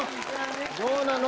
どうなの？